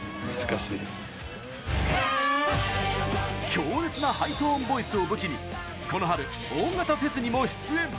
強烈なハイトーンボイスを武器に、この春大型フェスにも出演。